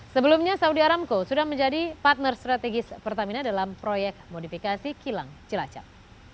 sebelumnya saudi aramco sudah menjadi partner strategis pertamina dalam proyek modifikasi kilang cilacap